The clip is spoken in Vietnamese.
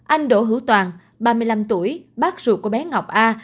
anh đỗ hữu toàn ba mươi năm tuổi bác ruột của bé ngọc a